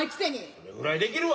それぐらいできるわ。